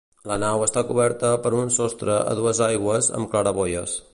La nau està coberta per un sostre a dues aigües amb claraboies.